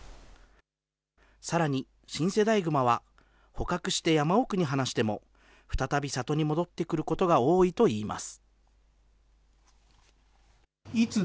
さらに新世代グマは捕獲して山奥に放しても再び里に戻ってくることが多いといいます。